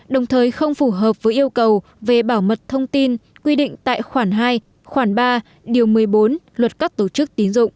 đồng thời không phù hợp với yêu cầu về bảo mật thông tin quy định tài khoản hai khoản ba điều một mươi bốn luật cắt tổ chức